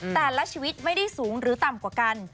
แต่ละชีวิตไม่ได้สูงหรือต่ำกว่ากัน